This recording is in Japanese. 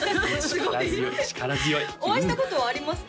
力強い力強いお会いしたことはありますか？